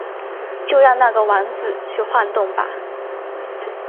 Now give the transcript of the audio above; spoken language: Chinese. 就让那个王子去晃动吧！